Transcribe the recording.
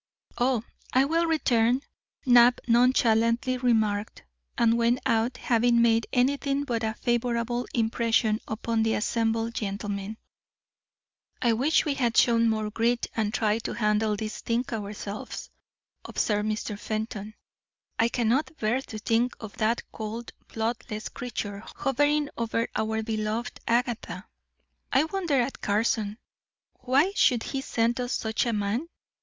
"Oh, I will return," Knapp nonchalantly remarked, and went out, having made anything but a favourable impression upon the assembled gentlemen. "I wish we had shown more grit and tried to handle this thing ourselves," observed Mr. Fenton. "I cannot bear to think of that cold, bloodless creature hovering over our beloved Agatha." "I wonder at Carson. Why should he send us such a man?